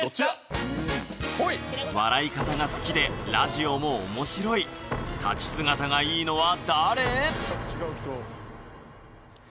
笑い方が好きでラジオも面白い立ち姿がいいのは誰？